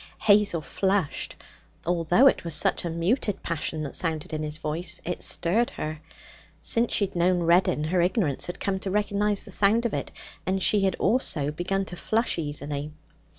Hazel flushed. Although it was such a muted passion that sounded in his voice, it stirred her. Since she had known Reddin, her ignorance had come to recognize the sound of it, and she had also begun to flush easily.